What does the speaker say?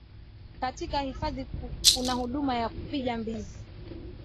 Katika hifadhi kuna huduma ya kupiga mbizi